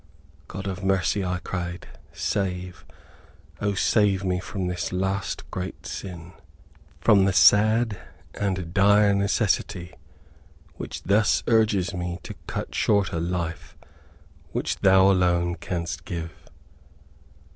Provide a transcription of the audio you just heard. "God of mercy," I cried, "save, O save me from this last great sin! From the sad and dire necessity which thus urges me to cut short a life which thou alone canst give!"